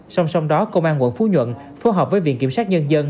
song song đó công an quận phú nhuận phối hợp với viện kiểm sát nhân dân